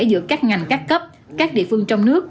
giữa các ngành các cấp các địa phương trong nước